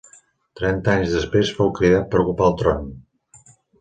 Trenta anys després fou cridat per ocupar el tron.